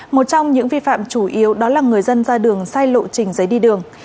một trong những vi phạm chủ yếu đó là người dân ra đường sai lộ trình giấy đi đường